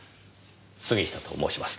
杉下と申します。